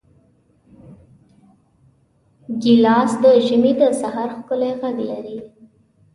ګیلاس د ژمي د سحر ښکلی غږ دی.